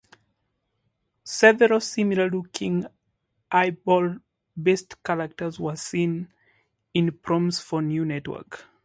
Several similar-looking eyeball-based characters were seen in promos for the network.